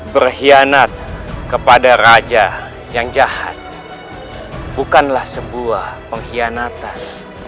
berkhianat kepada raja yang jahat bukanlah sebuah pengkhianatan